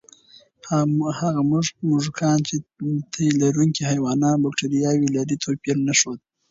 هغه موږکان چې د تیلرونکي حیوان بکتریاوې لري، توپیر نه ښود.